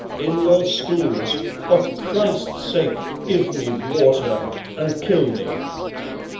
"In your schools. For Christ's sake give me water and kill me."